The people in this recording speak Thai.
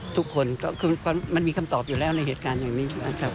ทุกคนก็คือมันมีคำตอบอยู่แล้วในเหตุการณ์อย่างนี้อยู่แล้วครับ